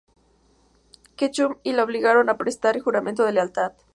Ketchum y la obligaron a prestar juramento de lealtad.